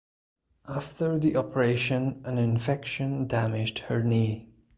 After the operation an infection damaged her knee.